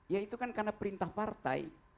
ya itu kan karena perintah partai